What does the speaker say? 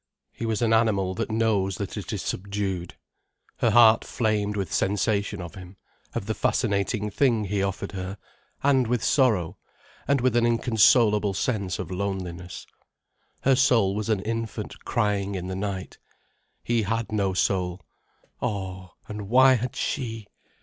He was an animal that knows that it is subdued. Her heart flamed with sensation of him, of the fascinating thing he offered her, and with sorrow, and with an inconsolable sense of loneliness. Her soul was an infant crying in the night. He had no soul. Oh, and why had she?